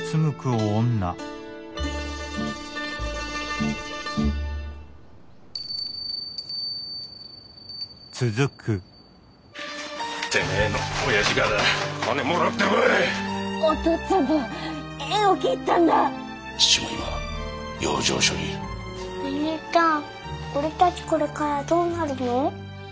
お兄ちゃん俺たちこれからどうなるの？